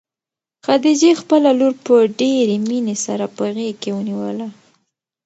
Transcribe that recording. خدیجې خپله لور په ډېرې مینې سره په غېږ کې ونیوله.